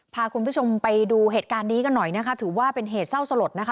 พาคุณผู้ชมไปดูเหตุการณ์นี้กันหน่อยนะคะถือว่าเป็นเหตุเศร้าสลดนะคะ